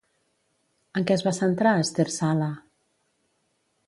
En què es va centrar Ester-Sala?